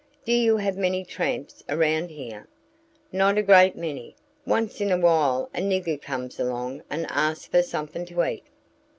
"Do you have many tramps around here?" "Not a great many. Once in a while a nigger comes along and asks for something to eat."